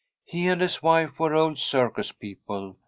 He and his wife were old circus people.